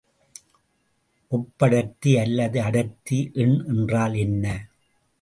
ஒப்படர்த்தி அல்லது அடர்த்தி எண் என்றால் என்ன?